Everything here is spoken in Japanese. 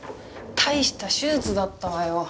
大した手術だったわよ。